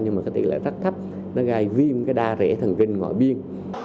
nhưng mà cái tỷ lệ rất thấp nó gai viêm cái đa rễ thần kinh ngoại biên